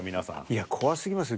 いや怖すぎますよ。